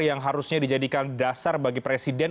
yang harusnya dijadikan dasar bagi presiden